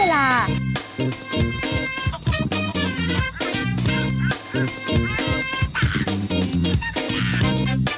เวลา